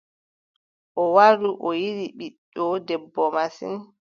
O wari a yiɗi ɓiɗɗo debbo masin.